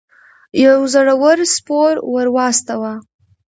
یو زړه ور سپور ور واستاوه.